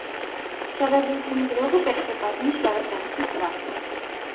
Շարադրություն գրողը պետք է կազմի շարադրանքի պլան։